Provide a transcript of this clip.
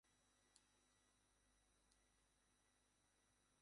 ভালো করে দেখছি!